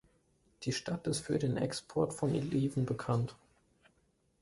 Die Stadt ist für den Export von Oliven bekannt.